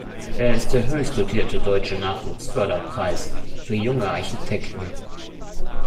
Er ist der höchstdotierte deutsche Nachwuchsförderpreis für junge Architekten.